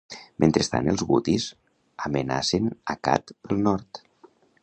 Mentrestant els gutis amenacen Accad pel nord.